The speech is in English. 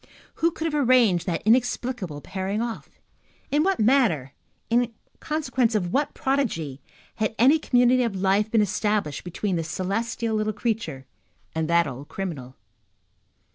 Who could have arranged that inexplicable pairing off? In what manner, in consequence of what prodigy, had any community of life been established between this celestial little creature and that old criminal?